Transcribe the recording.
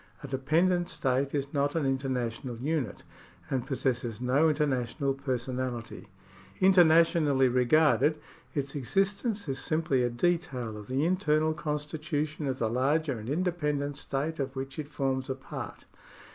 A dependent state is not an international unit, and possesses no inter national personality. Internationally regarded, its existence is simply a detail of the internal constitution of the larger and independent state of which it forms a part.